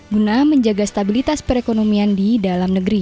guna menjaga stabilitas perekonomian di dalam negeri